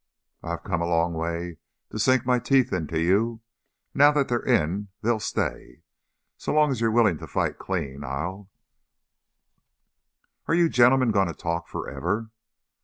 I've come a long way to sink my teeth into you. Now that they're in, they'll stay. So long as you're willing to fight clean, I'll " "Are you gentlemen going to talk forever?"